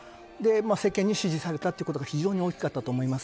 世間に支持されたということが非常に大きかったと思います。